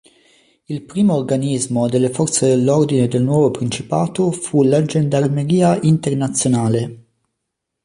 Il primo organismo delle forze dell'ordine del nuovo principato fu la Gendarmeria Internazionale.